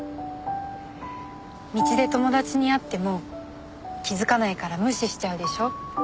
道で友達に会っても気づかないから無視しちゃうでしょ。